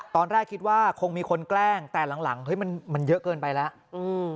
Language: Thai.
ตอนแรกคิดว่าคงมีคนแกล้งแต่หลังมันเยอะเกินไปแล้ว